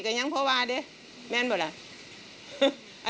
แต่ยังเพราะว่าเนี่ยแม่นเปล่าล่ะ